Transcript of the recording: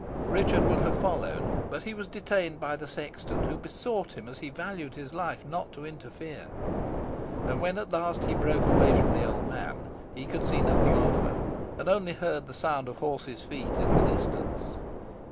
Richard would have followed, but he was detained by the sexton, who besought him, as he valued his life, not to interfere, and when at last he broke away from the old man, he could see nothing of her, and only heard the sound of horses' feet in the distance.